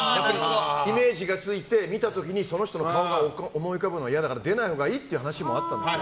イメージがついて見た時にその人の顔が思い浮かぶのが嫌だから出ないほうがいいっていう話もあったんです。